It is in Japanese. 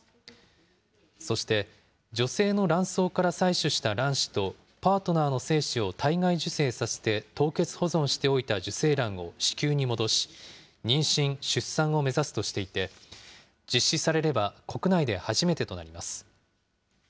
そして、女性の卵巣から採取した卵子と、パートナーの精子を体外受精させて凍結保存しておいた受精卵を子宮に戻し、妊娠、、出産を目指すとしていて、実施されれば国内で初めてとなります。